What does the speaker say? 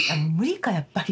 やっぱり。